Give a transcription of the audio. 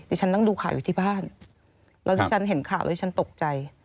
ฉันนั่งดูข่าวอยู่ที่บ้านแล้วที่ฉันเห็นข่าวแล้วฉันตกใจ